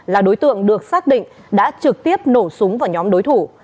là đối tượng được xác định đã trực tiếp nổ súng vào nhóm đối thủ